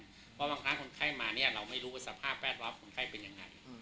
เพราะบางครั้งคนไข้มาเนี่ยเราไม่รู้ว่าสภาพแวดล้อมคนไข้เป็นยังไง